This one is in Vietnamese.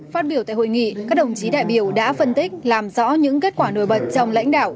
phát biểu tại hội nghị các đồng chí đại biểu đã phân tích làm rõ những kết quả nổi bật trong lãnh đạo